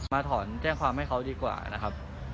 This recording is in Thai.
ถอนแจ้งความให้เขาดีกว่านะครับ